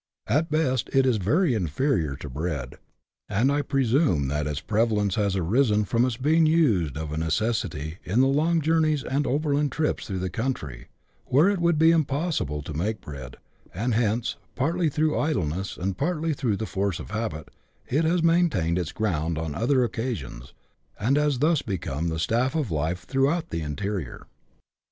At best it is very inferior to bread, and I presume that its prevalence has arisen from its being used of necessity in the long journeys and overland trips through the country, where it would be impossible to make bread, and hence, partly through idleness, and partly through the force of habit, it has maintained its ground on other occasions, and has thus become the staff" of life throughout the interior.